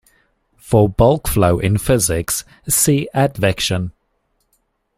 For "bulk flow" in physics see Advection.